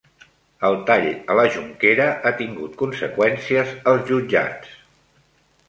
El tall a la Jonquera ha tingut conseqüències als jutjats